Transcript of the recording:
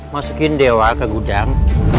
masukin dewa ke gudang